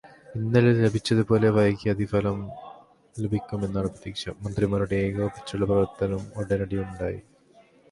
ഇന്നലെ ലഭിച്ചതുപോലെ രാത്രി വൈകി അതി ഫലം ലഭിക്കുമെന്നാണ് പ്രതീക്ഷ.മന്ത്രിമാരുടെ ഏകോപിച്ചുള്ള പ്രവര്ത്തനവും ഉടനടിയുണ്ടായി.